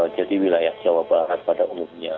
jadi wilayah jawa barat pada umumnya